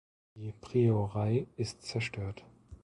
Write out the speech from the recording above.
Die Priorei ist zerstört.